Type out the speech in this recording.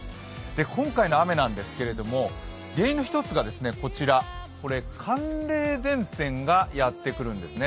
今回の雨なんですけれども、原因の１つが寒冷前線がやってくるんですね。